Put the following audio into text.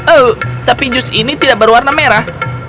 oh tapi jus ini tidak berwarna merah